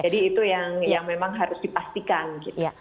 jadi itu yang memang harus dipastikan gitu